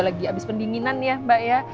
lagi abis pendinginan ya mbak ya